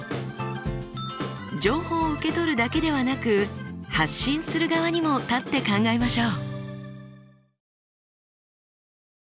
情報を受け取るだけではなく発信する側にも立って考えましょう。